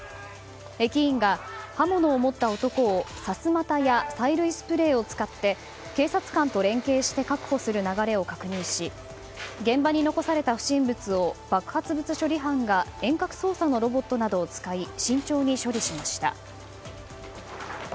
駅員が刃物を持った男をさすまたや催涙スプレーを使って警察官と連係して確保する流れを確認し現場に残された不審物を爆発物処理班が遠隔操作のロボットなどを使い慎重に処理しました。